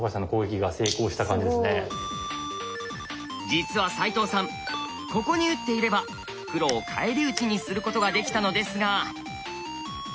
実は齋藤さんここに打っていれば黒を返り討ちにすることができたのですが。